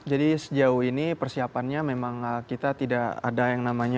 sejauh ini persiapannya memang kita tidak ada yang namanya